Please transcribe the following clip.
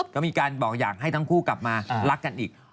ก็มีการบอกอยากให้ทั้งคู่กลับมารักกันอีก